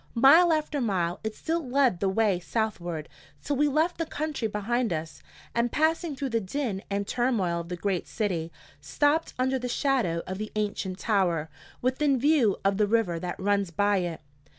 Mile after mile, it still led the way southward, till we left the country behind us, and passing through the din and turmoil of the great city, stopped under the shadow of the ancient Tower, within view of the river that runs by it.